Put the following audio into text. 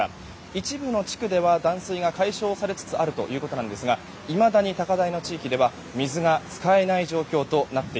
一部の地区では断水が解消されつつあるということですがいまだに高台の地域では水が使えない状況です。